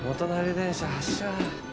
電車発車！